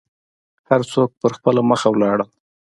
هر څوک په خپله مخه ولاړل.